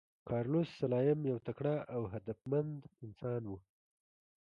کارلوس سلایم یو تکړه او هدفمند انسان و.